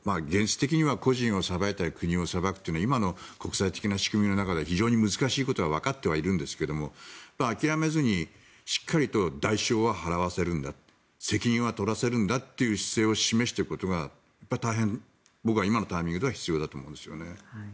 現実的には個人を裁いたり国を裁くというのは今の国際的な仕組みの中では非常に難しいことはわかってはいるんですけども諦めずにしっかりと代償は払わせるんだ責任は取らせるんだという姿勢を示していくことが大変、僕は今のタイミングでは必要だと思うんですよね。